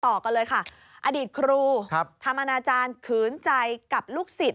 ต่อกันเลยค่ะอดีตครูทำอนาจารย์ขืนใจกับลูกศิษย